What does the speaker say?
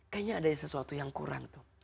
kayaknya ada sesuatu yang kurang tuh